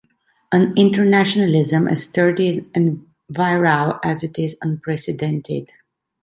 An internationalism as sturdy and virile as it is unprecedented.